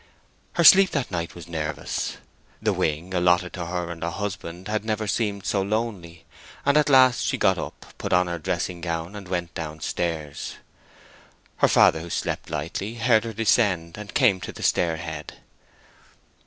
Her sleep that night was nervous. The wing allotted to her and her husband had never seemed so lonely. At last she got up, put on her dressing gown, and went down stairs. Her father, who slept lightly, heard her descend, and came to the stair head.